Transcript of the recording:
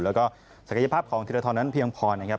แล้วก็ศักยภาพของธิริษฐรณันทีพยางพรนะครับ